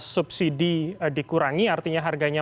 subsidi dikurangi artinya harganya